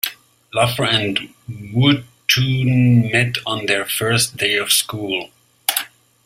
Laffer and Wootton met on their first day of school.